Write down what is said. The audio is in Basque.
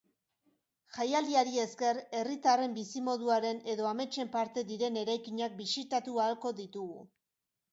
Jaialdiari esker, herritarren bizimoduaren edo ametsen parte diren eraikinak bisitatu ahalko ditugu.